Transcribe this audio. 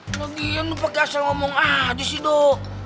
lagian lu pake asal ngomong ah disi doh